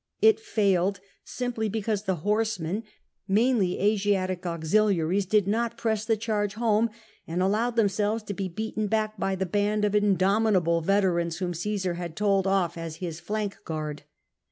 It failed, simply because the horsemen — mainly Asiatic auxiliaries — did not press the charge home, and allowed themselves to be beaten back by the band of indomitable veterans whom Cmsar had told off as his flank guard.